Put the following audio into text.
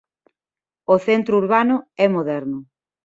O centro urbano é moderno.